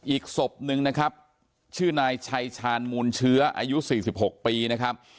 อีกศพหนึ่งนะครับชื่อนายชัยชาญมูลเชื้ออายุ๔๖ปีนะครับ